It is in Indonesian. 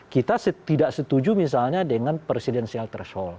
kita tidak setuju misalnya dengan presidensial threshold